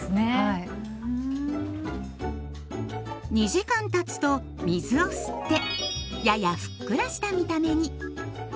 ２時間たつと水を吸ってややふっくらした見た目に。